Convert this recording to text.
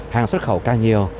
hàng xuất khẩu càng nhiều